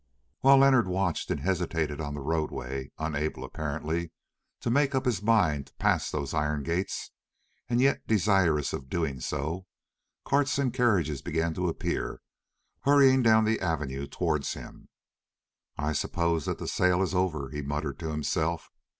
While Leonard watched and hesitated on the roadway, unable, apparently, to make up his mind to pass those iron gates, and yet desirous of doing so, carts and carriages began to appear hurrying down the avenue towards him. "I suppose that the sale is over," he muttered to himself.